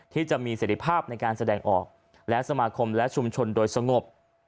ที่จะมีเสร็จภาพในการแสดงออกและสมาคมและชุมชนโดยสงบ